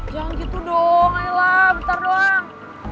jangan gitu dong ayo lah bentar doang